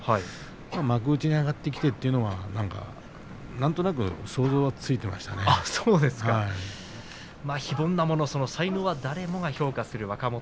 幕内に上がってきてというのは何かなんとなく想像は非凡なもの才能は誰もが評価する若元